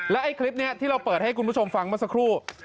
ไอ้คลิปนี้ที่เราเปิดให้คุณผู้ชมฟังเมื่อสักครู่